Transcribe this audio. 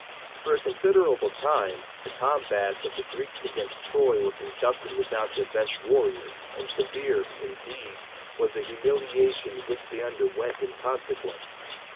For a considerable time, the combats of the Greeks against Troy were conducted without their best warrior, and severe, indeed, was the humiliation which they underwent in consequence.